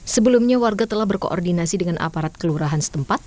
sebelumnya warga telah berkoordinasi dengan aparat kelurahan setempat